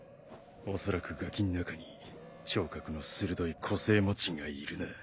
恐らくガキん中に聴覚の鋭い個性持ちがいるな。